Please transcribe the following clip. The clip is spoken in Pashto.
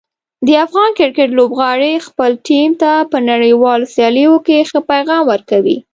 د افغان کرکټ لوبغاړي خپل ټیم ته په نړیوالو سیالیو کې ښه پیغام ورکوي.